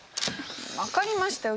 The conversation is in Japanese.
分かりましたよ。